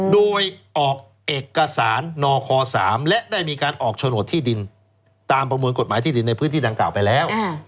โดยออกเอกสารนค๓และได้มีการออกโฉนดที่ดินตามประมวลกฎหมายที่ดินในพื้นที่ดังกล่าวไปแล้ว